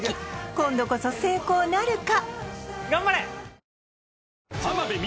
今度こそ成功なるか！？